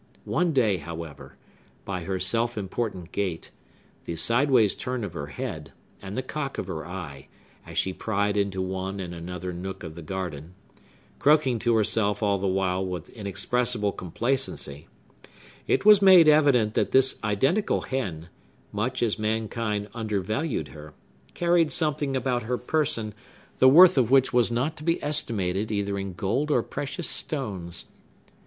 One day, however, by her self important gait, the sideways turn of her head, and the cock of her eye, as she pried into one and another nook of the garden,—croaking to herself, all the while, with inexpressible complacency,—it was made evident that this identical hen, much as mankind undervalued her, carried something about her person the worth of which was not to be estimated either in gold or precious stones.